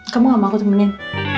kamu ngapa aku temenin